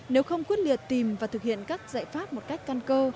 nếu không quyết liệt tìm và thực hiện các giải pháp một cách căn cơ